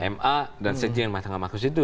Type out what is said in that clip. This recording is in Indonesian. ma dan sekjen matang makus itu